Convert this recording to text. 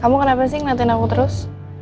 kamu kenapa sih ngeliatin aku terus